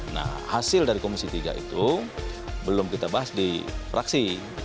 nah hasil dari komisi tiga itu belum kita bahas di praksi